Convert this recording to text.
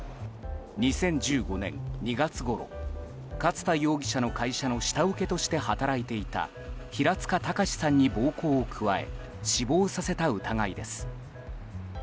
２０１５年２月ごろ勝田容疑者の会社の下請けとして働いていた平塚崇さんに暴行を加え死亡させた疑いです。